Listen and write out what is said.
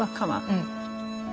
うん。